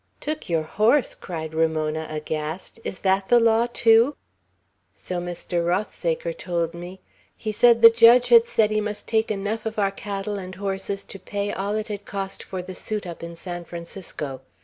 "Took your horse!" cried Ramona, aghast. "Is that the law, too?" "So Mr. Rothsaker told me. He said the judge had said he must take enough of our cattle and horses to pay all it had cost for the suit up in San Francisco.